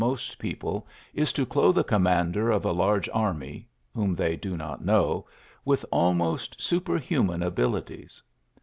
GRA3ST most people is to clothe a commander of a large army, whom they do not know, with almost superhuman abilities.